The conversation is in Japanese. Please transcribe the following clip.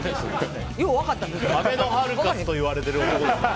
あべのハルカスと言われてる男だから。